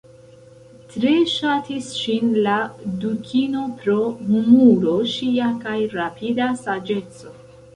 Tre ŝatis ŝin la dukino pro humuro ŝia kaj rapida saĝeco.